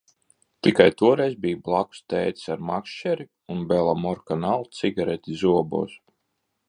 Tikai toreiz bija blakus tētis ar makšķeri un Belamorkanal cigareti zobos.